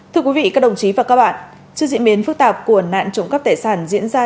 thưa quý vị các đồng chí và các bạn trước diễn biến phức tạp của nạn trộm cắp tài sản diễn ra